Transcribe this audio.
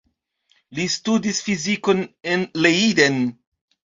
Li studis fizikon en Leiden.